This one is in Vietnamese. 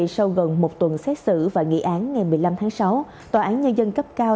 sau gần một tuần xét xử và nghị án ngày một mươi năm tháng sáu tòa án nhân dân cấp cao